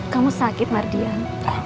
kamu sakit mardian